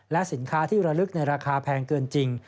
และสินค้าที่ระลึกในราคาแพงเกินจริง